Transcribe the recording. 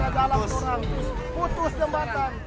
putus putus putus putus jembatan